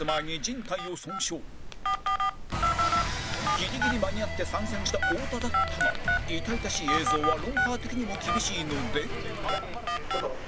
ギリギリ間に合って参戦した太田だったが痛々しい映像は『ロンハー』的にも厳しいので